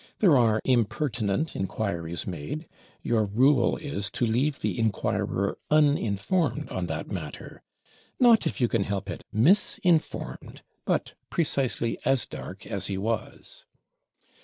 There are impertinent inquiries made: your rule is, to leave the inquirer _un_informed on that matter; not, if you can help it, _mis_informed, but precisely as dark as he was!